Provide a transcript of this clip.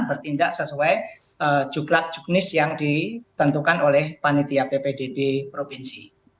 bertindak sesuai juklak juknis yang ditentukan oleh panitia ppdb provinsi